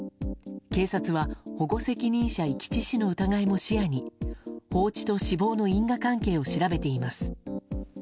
警察は保護責任者遺棄致死の疑いも視野に放置と死亡の因果関係を調べています。